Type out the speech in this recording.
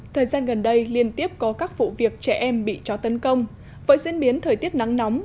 thời gian gần đây liên tiếp có các vụ việc trẻ em bị chó tấn công với diễn biến thời tiết nắng nóng